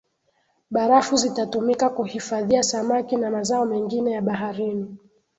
Barafu zitatumika kuhifadhia samaki na mazao mengine ya baharini